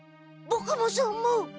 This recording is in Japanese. ボクもそう思う。